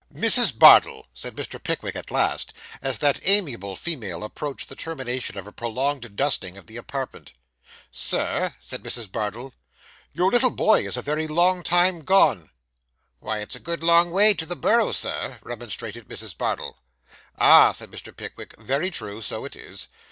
'Mrs. Bardell,' said Mr. Pickwick, at last, as that amiable female approached the termination of a prolonged dusting of the apartment. 'Sir,' said Mrs. Bardell. 'Your little boy is a very long time gone.' 'Why it's a good long way to the Borough, sir,' remonstrated Mrs. Bardell. 'Ah,' said Mr. Pickwick, 'very true; so it is.